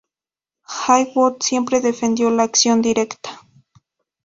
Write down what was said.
Haywood siempre defendió la acción directa.